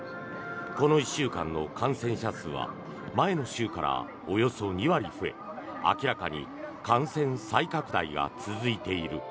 この１週間の感染者数は前の週からおよそ２割増え明らかに感染再拡大が続いている。